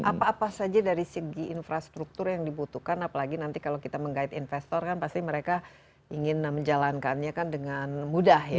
apa apa saja dari segi infrastruktur yang dibutuhkan apalagi nanti kalau kita menggait investor kan pasti mereka ingin menjalankannya kan dengan mudah ya